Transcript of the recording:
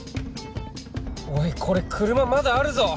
おいこれ車まだあるぞ！